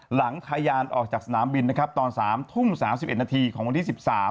หลังทะยานออกจากสนามบินตอน๓ทุ่ม๓๑นาทีของวันที่๑๓